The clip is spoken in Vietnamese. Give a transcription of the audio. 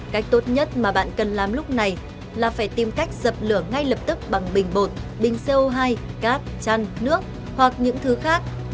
cách tốt nhất mà bạn cần làm lúc này là phải tìm cách dập lửa ngay lập tức bằng bình bột bình co hai cát chăn nước hoặc những thứ khác